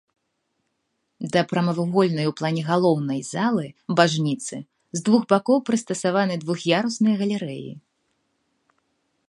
Да прамавугольнай у плане галоўнай залы бажніцы з двух бакоў прыстасаваны двух'ярусныя галерэі.